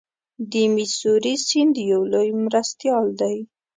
د میسوری سیند یو لوی مرستیال دی.